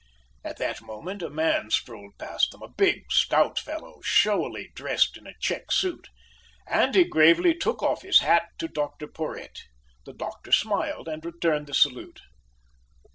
At that moment a man strolled past them, a big stout fellow, showily dressed in a check suit; and he gravely took off his hat to Dr Porhoët. The doctor smiled and returned the salute.